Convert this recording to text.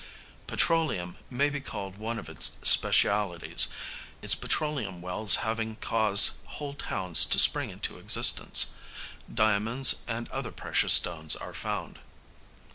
Petroleum may be called one of its specialities, its petroleum wells having caused whole towns to spring into existence. Diamonds and other precious stones are found.